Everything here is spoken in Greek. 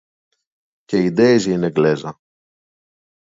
Και η Ντέιζη είναι Εγγλέζα